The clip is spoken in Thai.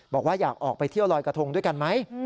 บอกว่าอยากออกไปเที่ยวลอยกระทงด้วยกันไหม